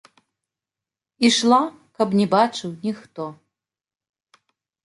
Ішла, каб не бачыў ніхто.